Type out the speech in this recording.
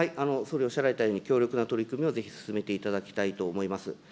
総理おっしゃられたように、強力な取り組みをぜひ進めていただきたいと思います。